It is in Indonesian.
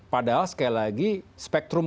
padahal sekali lagi spektrum